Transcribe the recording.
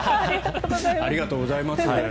ありがとうございます。